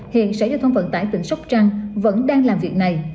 hiện sở giao thông vận tải tỉnh sóc trăng vẫn đang làm việc này